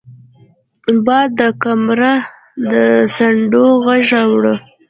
باد د کمره د څنډو غږ راوړي